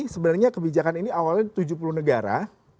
sebenarnya kebijakan ini awalnya tujuh puluh negara